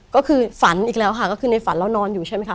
ก็คือฝันอีกแล้วค่ะก็คือในฝันเรานอนอยู่ใช่ไหมคะ